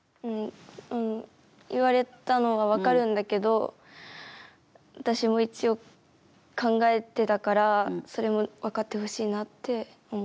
うん言われたのは分かるんだけど私も一応、考えてたから、それも分かってほしいなって思った。